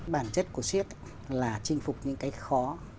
bản chất của siết là chinh phục những cái khó